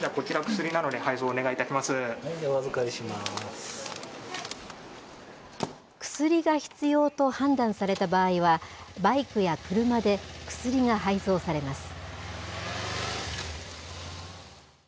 薬が必要と判断された場合は、バイクや車で薬が配送されます。